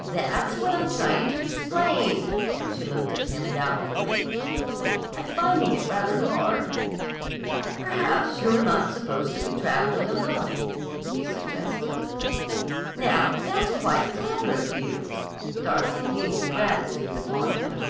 "That's what I'm trying to explain." She looked at him doubtfully. "I'm finding it rather hard." "Perhaps you're not supposed to be traveling alone," he suggested. "Now, that's quite clever of you!" Darcy beamed gratitude upon him.